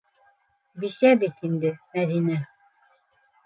Бисә бит инде Мәҙинә.